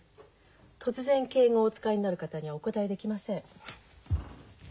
突然敬語をお使いになる方にはお答えできません。